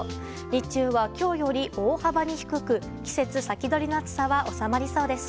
日中は今日より大幅に低く季節先取りの暑さは収まりそうです。